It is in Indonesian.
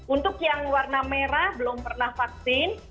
untuk yang warna merah belum pernah vaksin